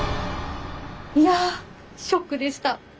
いやショックでした。